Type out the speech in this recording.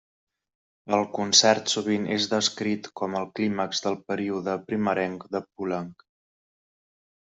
El concert sovint és descrit com el clímax del període primerenc de Poulenc.